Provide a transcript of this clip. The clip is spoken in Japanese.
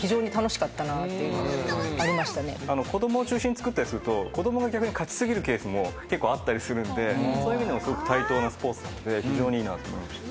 子供を中心につくったりすると子供が逆に勝ち過ぎるケースも結構あったりするんでそういう意味でもすごく対等なスポーツなので非常にいいなと思いました。